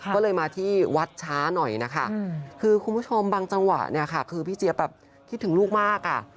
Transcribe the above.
ก็เลยมาที่วัดช้าหน่อยนะคะคือคุณผู้ชมบางจังหวะเนี่ยค่ะคือพี่เจี๊ยบแบบคิดถึงลูกมากอ่ะ